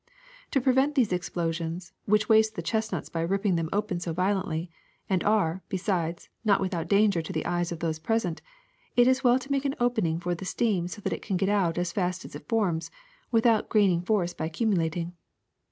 To prevent these explosions, which waste the chestnuts by ripping them open so violently, and are, besides, not without danger to the eyes of those present, it is well to make an opening for the steam so that it can get out as fast as it forms, without gaining force by accumulating.